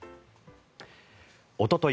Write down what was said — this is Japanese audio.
おととい